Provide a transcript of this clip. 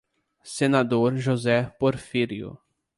Senador José Porfírio